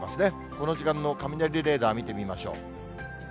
この時間の雷レーダー見てみましょう。